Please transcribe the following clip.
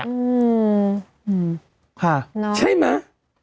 ค่ะใช่มั้ย